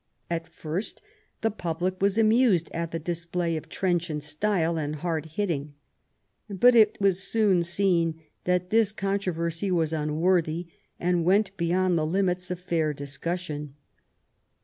At first the public was amused at the display of trenchant style and hard hitting. But it was soon seen that this controversy was unworthy, and went beyond the limits of fair discussion.